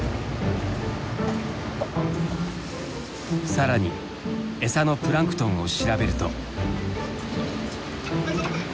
更にえさのプランクトンを調べると。